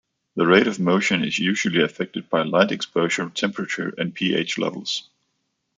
The rate of motion is usually affected by light exposure, temperature, and pH levels.